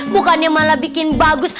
bukannya malah bikin bagus